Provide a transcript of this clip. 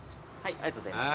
ありがとうございます。